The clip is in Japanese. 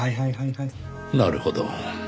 なるほど。